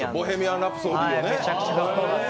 めちゃくちゃかっこよかった。